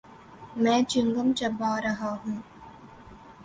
میں chewing gum چبا رہا ہوں۔